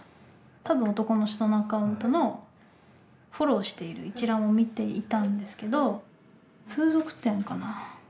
多分男の人のアカウントのフォローしている一覧を見ていたんですけど風俗店かな？